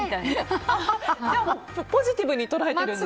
ポジティブに捉えてるんですね。